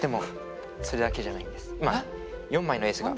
今４枚のエースが。